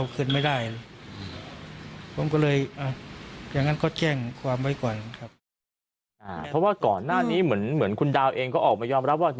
เพราะว่าก่อนหน้านี้เหมือนคุณดาวเองก็ออกมายอมรับว่า